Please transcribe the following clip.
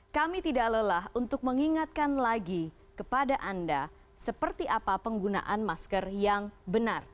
kami tidak lelah untuk mengingatkan lagi kepada anda seperti apa penggunaan masker yang benar